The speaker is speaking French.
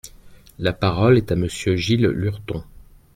La parole est à Monsieur Gilles Lurton.